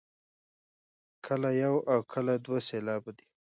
کله یو او کله دوه سېلابه دی.